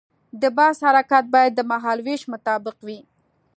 د بس حرکت باید د مهال ویش مطابق وي.